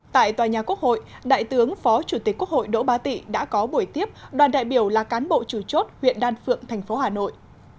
tại tòa nhà quốc hội đại tướng phó chủ tịch quốc hội đỗ ba tị đã có buổi tiếp đoàn đại biểu là cán bộ chủ chốt huyện đan phượng thành phố hà nội